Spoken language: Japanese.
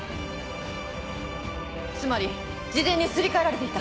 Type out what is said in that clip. つまり事前にすり替えられていた。